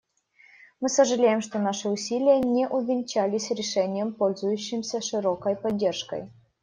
Мы сожалеем, что наши усилия не увенчались решением, пользующимся широкой поддержкой.